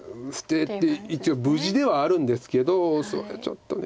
一応無事ではあるんですけどそれちょっと。